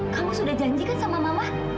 kamu sudah janjikan sama mama